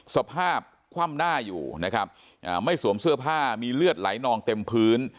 สภาพคว่ำหน้าอยู่นะครับไม่สวมเสื้อผ้ามีเลือดไหลนองเต็มพื้น